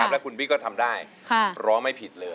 แล้วคุณบิ๊กก็ทำได้ร้องไม่ผิดเลย